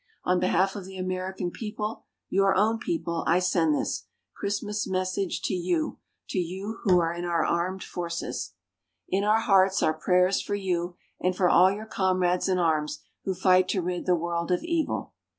On behalf of the American people your own people I send this Christmas message to you, to you who are in our armed forces: In our hearts are prayers for you and for all your comrades in arms who fight to rid the world of evil.